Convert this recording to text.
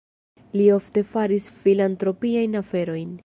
Li ofte faris filantropiajn aferojn.